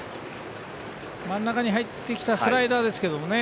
真ん中に入ってきたスライダーですけれどもね。